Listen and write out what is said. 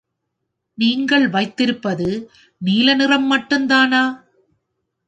நீங்கள் வைத்திருப்பது நீல நிறம் மட்டுந்தானா?